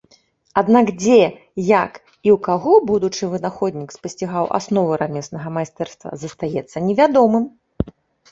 Аднак, дзе, як і ў каго будучы вынаходнік спасцігаў асновы рамеснага майстэрства, застаецца невядомым.